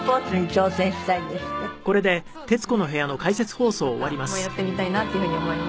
スキーとかもやってみたいなっていうふうに思います。